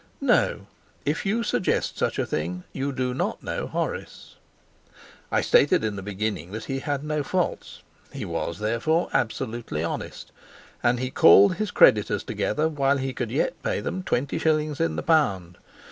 No, if you suggest such a thing, you do not know Horace. I stated in the beginning that he had no faults. He was therefore absolutely honest. And he called his creditors together while he could yet pay them twenty shillings in the pound.